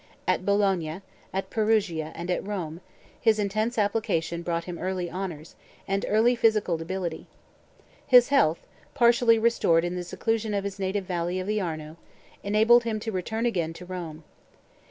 At Bologna, at Perugia, and at Rome, his intense application brought him early honours, and early physical debility. His health, partially restored in the seclusion of his native valley of the Arno, enabled him to return again to Rome.